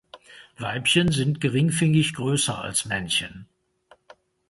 Weibchen sind geringfügig größer als Männchen.